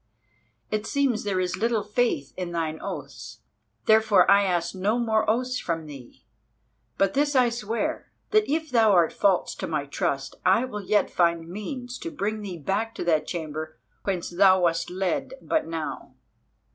It seems there is little faith in thine oaths, therefore I ask no more oaths from thee. But this I swear, that if thou art false to my trust, I will yet find means to bring thee back to that chamber whence thou wast led but now."